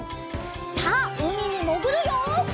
さあうみにもぐるよ！